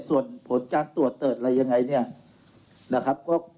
ส่วนผลการตรวจเกิดอะไรยังไงเนี่ยนะครับ